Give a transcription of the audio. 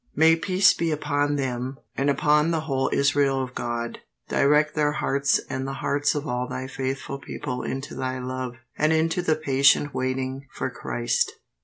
May peace be upon them and upon the whole Israel of God. Direct their hearts and the hearts of all Thy faithful people into Thy love, and into the patient waiting for Christ.